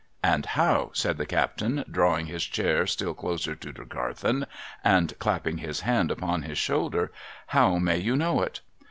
'And how,' said the captain, drawing his chair still closer to Tregarthen, and clapping his hand upon his shoulder, —■' how may you know it